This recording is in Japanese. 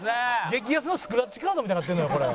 激安のスクラッチカードみたいになってるやんこれ。